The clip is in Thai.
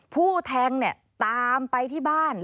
ผู้แทงเนี่ยตามไปที่บ้าน